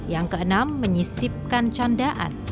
yang keenam menyisipkan candaan